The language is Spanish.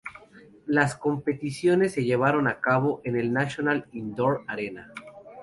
Las competiciones se llevaron a cabo en la National Indoor Arena.